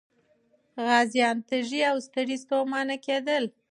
غازيان تږي او ستړي ستومانه کېدل.